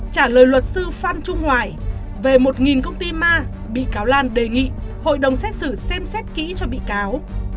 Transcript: trả lời luật sư phan trung hoài về một công ty ma bị cáo lan đề nghị hội đồng xét xử xem xét kỹ cho bị cáo